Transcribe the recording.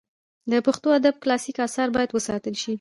د پښتو ادب کلاسیک آثار باید وساتل سي.